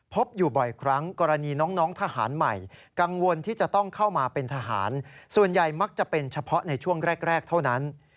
พบอยู่บ่อยครั้งกรณีน้องทหารใหม่กังวลที่จะต้องเข้ามาเป็นทหารส่วนใหญ่มักจะเป็นเฉพาะในช่วงแรกเท่านั้น